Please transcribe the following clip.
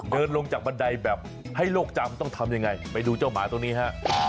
เดินลงจากบันไดแบบให้โลกจำต้องทำยังไงไปดูเจ้าหมาตัวนี้ฮะ